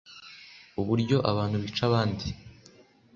uburyo abantu bica abandi